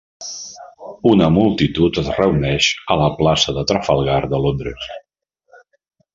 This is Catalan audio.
Una multitud es reuneix a la plaça de Trafalgar de Londres.